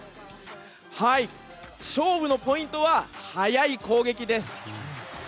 勝負のポイントは速い攻撃です。